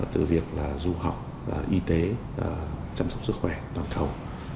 từ việc du học y tế chăm sóc sức khỏe toàn cầu